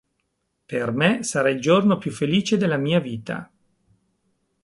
Per me sarà il giorno più felice della mia vita".